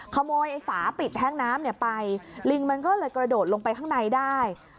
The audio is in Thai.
ขโมยไอ้ฝาปิดแท่งน้ำไปลิงมันก็เลยกระโดดลงไปข้างในได้